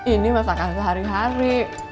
ini masakan sehari hari